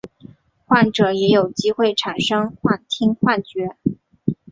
患者也有机会产生幻听幻觉。